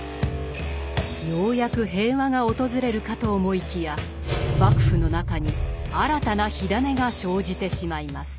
ようやく平和が訪れるかと思いきや幕府の中に新たな火種が生じてしまいます。